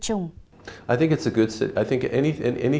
những sự thật bất kỳ